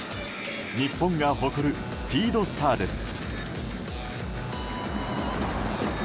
日本が誇るスピードスターです。